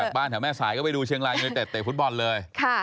บ้านแถวแม่สายก็ไปดูเชียงรายยูเนเต็ดเตะฟุตบอลเลย